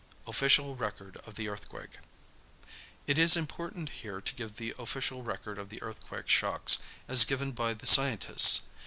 OFFICIAL RECORD OF THE EARTHQUAKE. It is important here to give the official record of the earthquake shocks, as given by the scientists.